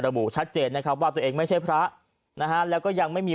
บุชัดเจนนะครับว่าตัวเองไม่ใช่พระนะฮะแล้วก็ยังไม่มี